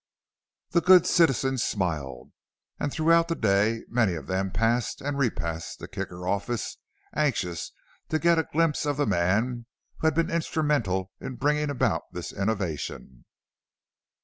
The good citizens smiled. And throughout the day many of them passed and repassed the Kicker office, anxious to get a glimpse of the man who had been instrumental in bringing about this innovation.